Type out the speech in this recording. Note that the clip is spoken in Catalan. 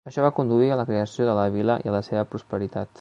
Això va conduir a la creació de la vila i a la seva prosperitat.